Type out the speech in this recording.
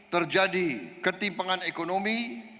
terjadi ketimpangan ekonomi